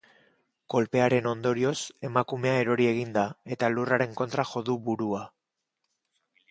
Kolpearen ondorioz, emakumea erori egin da eta lurraren kontra jo du burua.